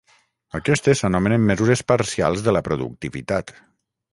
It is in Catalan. Aquestes s’anomenen mesures parcials de la productivitat.